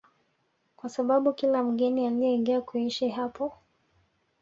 kwa sababu kila mgeni alieingia kuishi hapo